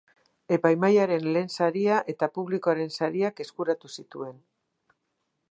Epaimahaiaren lehen saria eta publikoaren sariak eskuratu zituen.